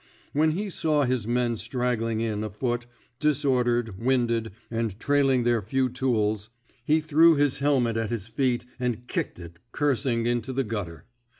When he saw his 10 THE RED INK SQUAD *^ men straggling in afoot, disordered, winded, and trailing their few tools, he threw his helmet at his feet and kicked it, cursing, into the gutter.